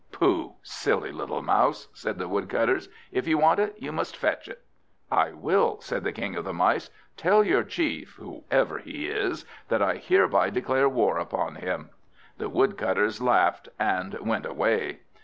"Pooh, silly little Mouse," said the Woodcutters. "If you want it, you must fetch it." "I will," said the King of the Mice. "Tell your chief, whoever he is, that I hereby declare war upon him." The Woodcutters laughed, and went away.